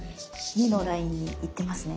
２のラインにいってますね。